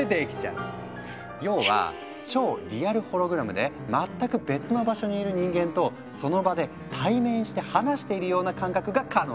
要は超リアルホログラムで全く別の場所にいる人間とその場で対面して話しているような感覚が可能に。